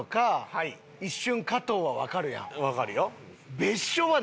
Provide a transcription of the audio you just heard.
わかるよ。